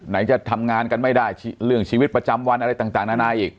จะทำงานกันไม่ได้เรื่องชีวิตประจำวันอะไรต่างนานาอีก